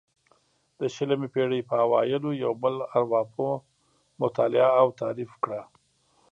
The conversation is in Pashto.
د شلمې پېړۍ په اوایلو یو بل ارواپوه مطالعه او تعریف کړه.